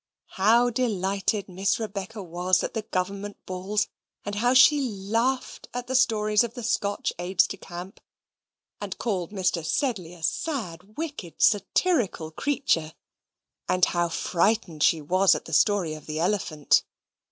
How delighted Miss Rebecca was at the Government balls, and how she laughed at the stories of the Scotch aides de camp, and called Mr. Sedley a sad wicked satirical creature; and how frightened she was at the story of the elephant!